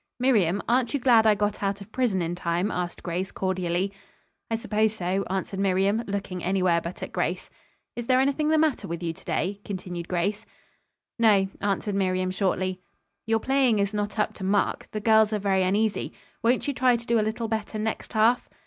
"Miriam, aren't you glad I got out of prison in time?" asked Grace cordially. "I suppose so," answered Miriam, looking anywhere but at Grace. "Is there anything the matter with you to day?" continued Grace. "No," answered Miriam shortly. "Your playing is not up to mark. The girls are very uneasy. Won't you try to do a little better next half?"